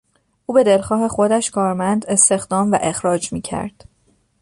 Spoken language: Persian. او به دلخواه خودش کارمند استخدام و اخراج میکرد.